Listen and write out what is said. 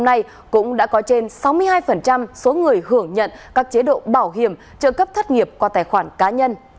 hôm nay cũng đã có trên sáu mươi hai số người hưởng nhận các chế độ bảo hiểm trợ cấp thất nghiệp qua tài khoản cá nhân